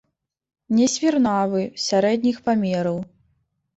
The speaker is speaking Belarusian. Не свірнавы, сярэдніх памераў.